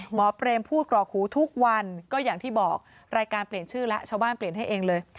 เปรมพูดกรอกหูทุกวันก็อย่างที่บอกรายการเปลี่ยนชื่อแล้วชาวบ้านเปลี่ยนให้เองเลย